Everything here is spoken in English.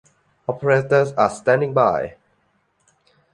Operators are standing by!